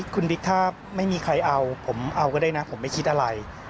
คุณบิ๊กถ้าไม่มีใครเอาผมเอาก็ได้นะผมไม่คิดอะไร